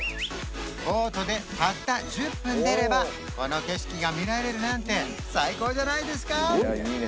ボートでたった１０分出ればこの景色が見られるなんて最高じゃないですか？